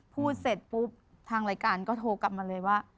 พูดเสร็จปุ๊บทางรายการก็โทรกลับมาเลยว่า